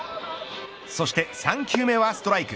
そして３球目はストライク。